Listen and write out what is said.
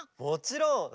もちろん！